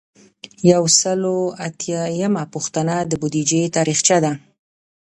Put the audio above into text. یو سل او اتیایمه پوښتنه د بودیجې تاریخچه ده.